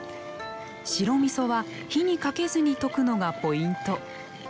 白みそは火にかけずに溶くのがポイント。